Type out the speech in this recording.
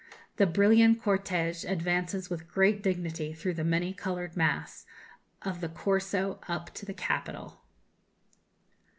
The brilliant cortège advances with great dignity through the many coloured mass of the Corso up to the Capitol."